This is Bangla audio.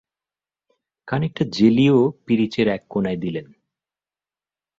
খানিকটা জেলিও পিরচের এক কোণায় দিলেন।